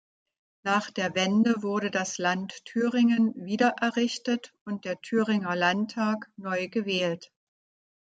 Nach der Wende wurde das Land Thüringen wiedererrichtet und der Thüringer Landtag neu gewählt.